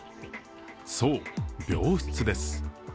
そう、病室です。